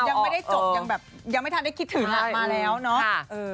ยังไม่ได้จบยังแบบยังไม่ทันได้คิดถึงมาแล้วเนาะ